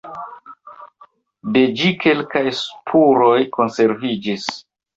De ĝi kelkaj spuroj konserviĝis.